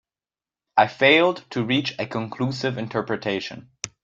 I failed to reach a conclusive interpretation.